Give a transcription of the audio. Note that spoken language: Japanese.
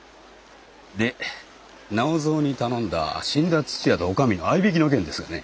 で直蔵に頼んだ死んだ屋とおかみのあいびきの件ですがね。